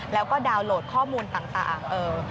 แล้วก็ดาวน์โหลดข้อมูลต่าง